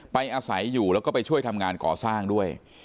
อาศัยอยู่แล้วก็ไปช่วยทำงานก่อสร้างด้วย